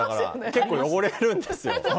結構汚れるんですよ。